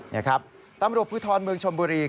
นี่ครับตำรวจภูทรเมืองชนบุรี